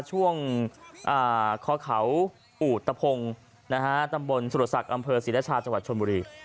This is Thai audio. ช่วงคอเขาอูตพงศ์ตำบลสุรศักดิ์อำเภอศรีรชาจังหวัดชนบุรี